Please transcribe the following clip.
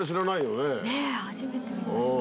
ねぇ初めて見ました。